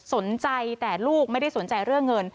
สนใจแต่ลูกไม่ได้สนใจเรื่องเงิน